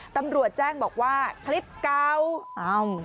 ตำรวจแจ้งบอกว่าคลิปเก่าอ้าว